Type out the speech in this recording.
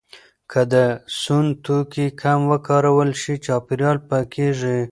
که د سون توکي کم وکارول شي، چاپیریال پاکېږي.